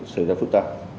xảy ra phức tạp